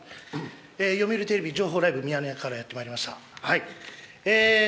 読売テレビ情報ライブミヤネ屋からやってまいりました。